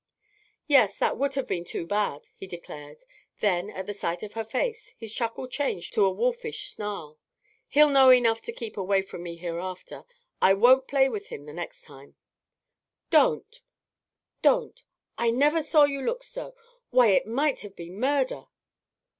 "Yes, that would have been too bad!" he declared; then, at the sight of her face, his chuckle changed to a wolfish snarl. "He'll know enough to keep away from me hereafter. I won't play with him the next time." "Don't! Don't! I never saw you look so. Why, it might have been murder!"